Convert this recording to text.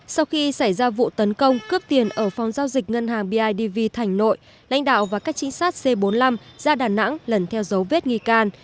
sau khi xảy ra vụ tấn công cướp tiền ở phòng giao dịch ngân hàng bidv thành nội lãnh đạo và các trinh sát c bốn mươi năm ra đà nẵng lần theo dấu vết nghi can